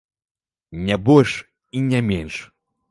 Не больш і не менш.